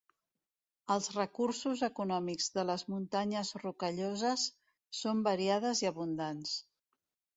Els recursos econòmics de les Muntanyes Rocalloses són variades i abundants.